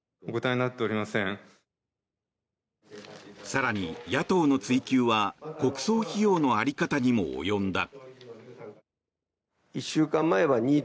更に、野党の追及は国葬費用の在り方にも及んだ。